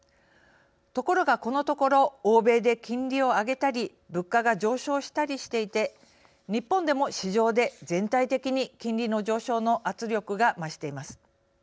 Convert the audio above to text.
ところがこのところ欧米で金利を上げたり物価が上昇したりしていて日本でも市場で全体的に金利の上昇の圧力が増しています。